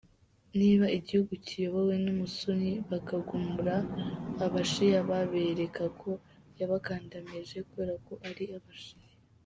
Niba igihugu kiyobowe n’umusuni, bakagumura abashia babereka ko yabakandamije kubera ko ari abashia.